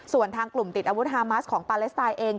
ส่วนทางกลุ่มติดอาวุธฮามัสของปาเลสไตน์เอง